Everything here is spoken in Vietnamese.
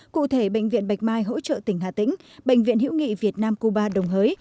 cụ thể bệnh viện bạch mai hỗ trợ tỉnh hà tĩnh bệnh viện hữu nghị việt nam cuba đồng hới